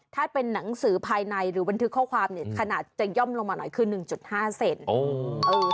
ถ้าเป็นหนังสือภายในหรือบันทึกข้อความเนี่ยขนาดจะย่อมลงมาหน่อยคือ๑๕เซน